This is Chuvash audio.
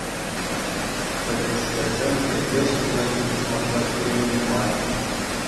Пӗчӗкскерсен хӗлле ҫуллахи пушмакпа ҫӳремелле мар!